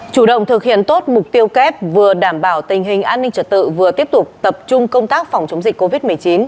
chủ động thực hiện tốt mục tiêu kép vừa đảm bảo tình hình an ninh trật tự vừa tiếp tục tập trung công tác phòng chống dịch covid một mươi chín